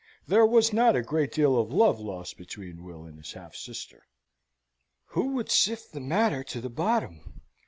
There was not a great deal of love lost between Will and his half sister. "Who would sift the matter to the bottom?